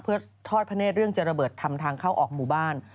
เพื่อทอดพระเนธเรื่องจะระเบิดทำทางเข้าออกหมู่บ้าน